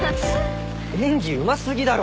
演技うま過ぎだろ！